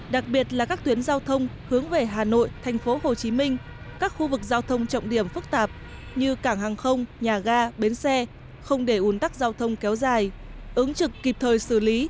đặc biệt là các tuyến giao thông hướng về hà nội thành phố hồ chí minh các khu vực giao thông trọng điểm phức tạp như cảng hàng không nhà ga bến xe không để ủn tắc giao thông kéo dài ứng trực kịp thời xử lý